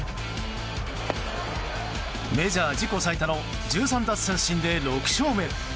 メジャー自己最多の１３奪三振で６勝目。